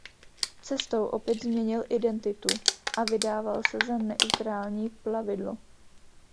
Cestou opět změnil identitu a vydával se za neutrální plavidlo.